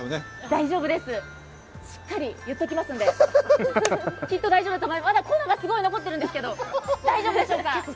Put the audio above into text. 大丈夫です、しっかり言っておきますんで、きっと大丈夫だと思います、まだ粉が残ってますが大丈夫でしょうか。